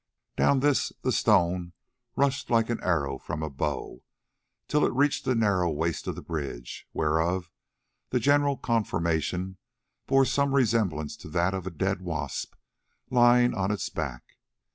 Down this the stone rushed like an arrow from a bow, till it reached the narrow waist of the bridge, whereof the general conformation bore some resemblance to that of a dead wasp lying on its back.